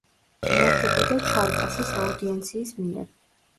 იმართებოდა ჩარკასის აუდიენციის მიერ.